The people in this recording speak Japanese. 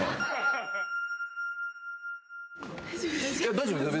大丈夫ですか？